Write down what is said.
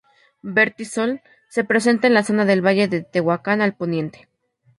Vertisol: se presenta en la zona del Valle de Tehuacán, al poniente.